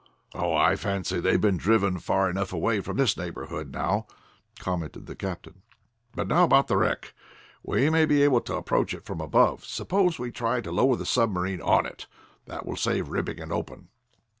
"Oh, I fancy they have been driven far enough away from this neighborhood now," commented the captain. "But now about the wreck. We may be able to approach it from above. Suppose we try to lower the submarine on it? That will save ripping it open."